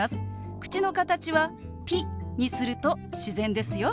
口の形は「ピ」にすると自然ですよ。